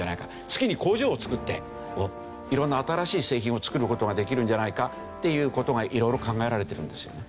月に工場を作って色んな新しい製品を作る事ができるんじゃないかっていう事が色々考えられてるんですよね。